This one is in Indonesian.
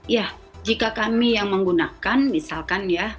ya jika kami yang menggunakan misalkan ya